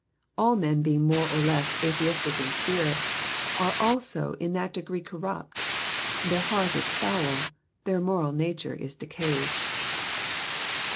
All men being more or less atheistic in spirit, are also in that degree corrupt ; their heart is foul, their moral nature is decayed.